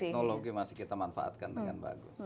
teknologi masih kita manfaatkan dengan bagus